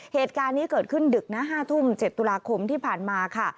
เหตุการณ์นี้เกิดขึ้นดึกนะ๕ทุ่ม๗ตุลาคมที่ผ่านมาค่ะ